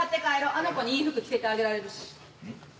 あの子にいい服着せてあげられるし。